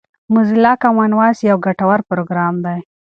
موزیلا کامن وایس یو ګټور پروګرام دی.